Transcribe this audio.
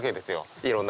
いろんな。